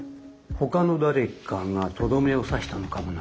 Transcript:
ほかの誰かがとどめを刺したのかもな。